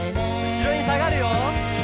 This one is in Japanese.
「後ろにさがるよ」